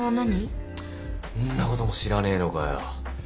んなことも知らねえのかよ。